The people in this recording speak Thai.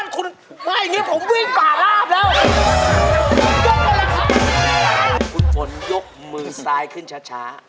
คุณฝนยกมือซ้ายขึ้นช้า